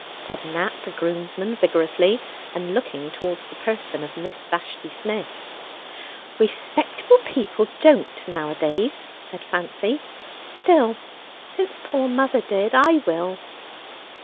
said Nat the groomsman vigorously, and looking towards the person of Miss Vashti Sniff. "Respectable people don't nowadays," said Fancy. "Still, since poor mother did, I will."